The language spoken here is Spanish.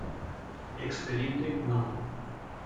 Expediente No.